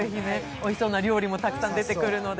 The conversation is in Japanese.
おいしそうな料理もたくさん出てくるので。